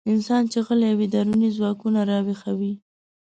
انسان چې غلی وي، دروني ځواکونه راويښوي.